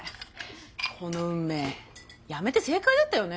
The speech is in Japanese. この運命辞めて正解だったよね。